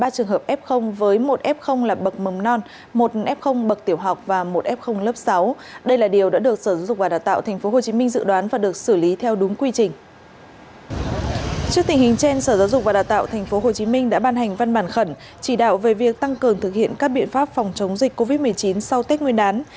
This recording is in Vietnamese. trước tình hình f trên sở giáo dục và đào tạo tp hcm đã ban hành văn bản khẩn chỉ đạo về việc tăng cường thực hiện các biện pháp phòng chống dịch covid một mươi chín sau tết nguyên đán